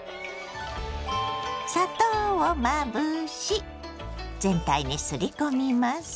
砂糖をまぶし全体にすり込みます。